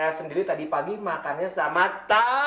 nanti kirim hidup saya sin